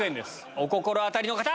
お心当たりの方！